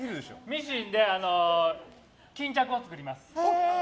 ミシンで巾着を作ります。